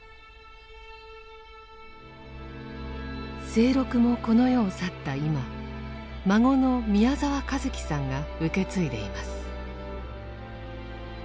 清六もこの世を去った今孫の宮澤和樹さんが受け継いでいます。